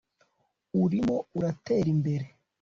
Urimo uratera imbere